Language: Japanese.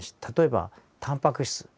例えばタンパク質。